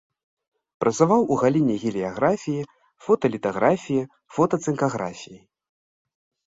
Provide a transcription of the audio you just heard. Працаваў у галіне геліяграфіі, фоталітаграфіі, фотацынкаграфіі.